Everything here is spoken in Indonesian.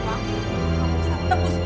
kamu bisa tebus